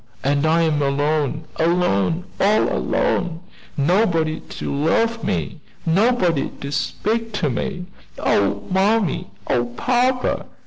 and I am alone! alone! all alone! nobody to love me nobody to speak to me. Oh, mammy! Oh, papa!